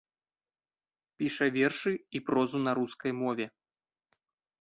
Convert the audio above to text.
Піша вершы і прозу на рускай мове.